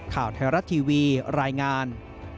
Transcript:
ข่าวไทยรัฐทีวีรายงาน